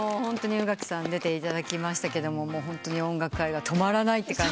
宇垣さん出ていただきましたがホントに音楽愛が止まらないって感じで。